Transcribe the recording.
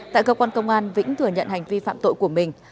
tại cơ quan công an vĩnh thừa nhận hành vi phạm tội của mình